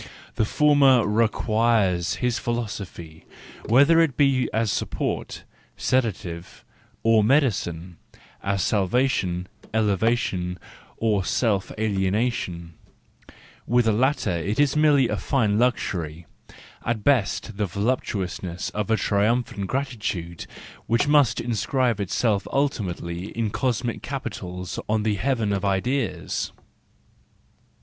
The former requires his philo¬ sophy, whether it be as support, sedative, or medicine, as salvation, elevation, or self alienation ; with the latter it is merely a fine luxury, at best the voluptuousness of a triumphant gratitude, which must inscribe itself ultimately in cosmic capitals on the heaven of ideas.